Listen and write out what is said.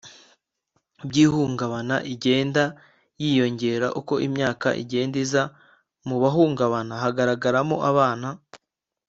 by ihungabana igenda yiyongera uko imyaka igenda iza Mu bahungabana hagaragaramo abana